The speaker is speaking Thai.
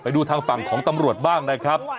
ดูทางฝั่งของตำรวจบ้างนะครับ